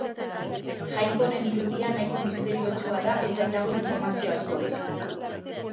Jainko honen irudia nahiko misteriotsua da ez baitago informazio askorik.